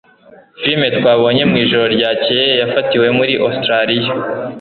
Filime twabonye mwijoro ryakeye yafatiwe muri Ositaraliya